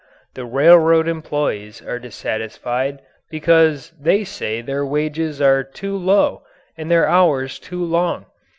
The railroad employees are dissatisfied because they say their wages are too low and their hours too long.